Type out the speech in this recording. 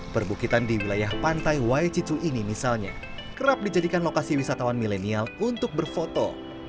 perbukitan di wilayah pantai waicicu ini misalnya kerap dijadikan lokasi wisatawan milenial untuk berfoto